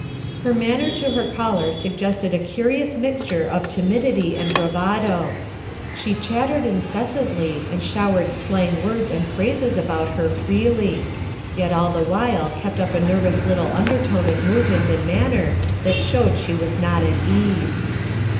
Her manner to her caller suggested a curious mixture of timidity and bravado. She chattered incessantly and showered slang words and phrases about her freely; yet all the while kept up a nervous little undertone of movement and manner that showed she was not at ease.